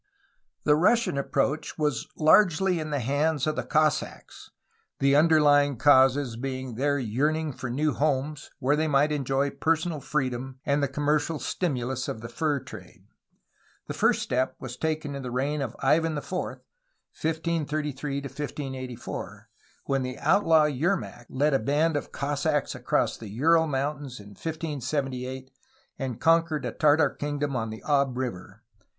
The Russian approach was largely in the hands of Cossacks, the underlying causes being their yearning for new homes where they might enjoy personal freedom and the commercial stimulus of the fur trade. The first step was taken in the reign of Ivan IV (1533 1584), when the outlaw Yermak led a band of Cossacks across the Ural Mountains in 1578, and conquered a Tartar kingdom on the Ob River.